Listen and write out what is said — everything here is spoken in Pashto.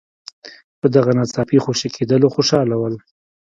په دغه ناڅاپي خوشي کېدلو خوشاله ول.